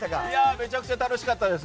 めちゃくちゃ楽しかったです。